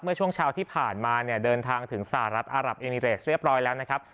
เมื่อช่วงเช้าที่ผ่านมาเนี่ยเดินทางถึงสหรัฐอารับเอมิเรสเรียบร้อยแล้วนะครับ